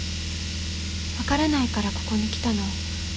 分からないからここに来たの。